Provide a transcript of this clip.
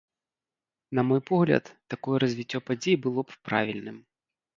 На мой погляд, такое развіццё падзей было б правільным.